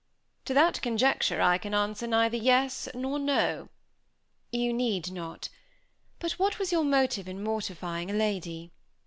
"To that conjecture I can answer neither yes nor no." "You need not. But what was your motive in mortifying a lady?"